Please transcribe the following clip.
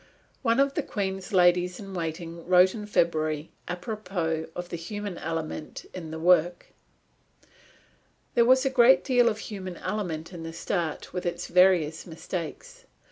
One of the Queen's ladies in waiting wrote in February, apropos of the human element in the work: "There was a great deal of human element in the start with its various mistakes.